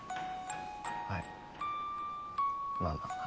はいまあまあま